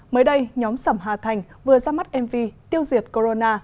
mới đây nhóm sẩm hà thành vừa ra mắt mv tiêu diệt corona